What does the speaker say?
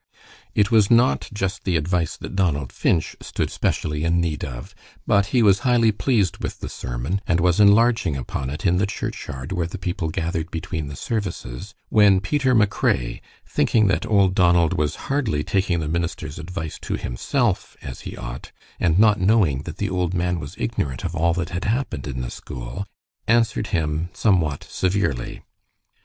It was not just the advice that Donald Finch stood specially in need of, but he was highly pleased with the sermon, and was enlarging upon it in the churchyard where the people gathered between the services, when Peter McRae, thinking that old Donald was hardly taking the minister's advice to himself as he ought, and not knowing that the old man was ignorant of all that had happened in the school, answered him somewhat severely.